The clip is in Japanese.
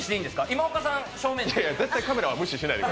今岡さん正面で。